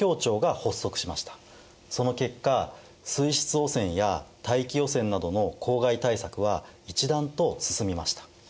その結果水質汚染や大気汚染などの公害対策は一段と進みました。